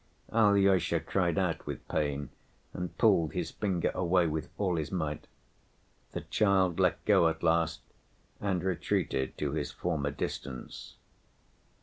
Alyosha cried out with pain and pulled his finger away with all his might. The child let go at last and retreated to his former distance.